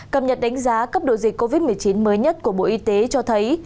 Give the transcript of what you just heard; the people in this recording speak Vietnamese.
cập nhật đánh giá cấp độ dịch covid một mươi chín mới nhất của bộ y tế cho thấy